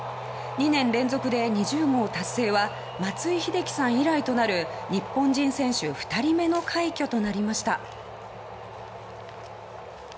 ２年連続で２０号達成は松井秀喜さん以来となる日本人選手２人目の快挙となりました。